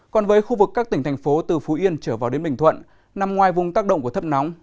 còn với khu vực các tỉnh thành phố từ phú yên trở vào đến bình thuận nằm ngoài vùng tác động của thấp nóng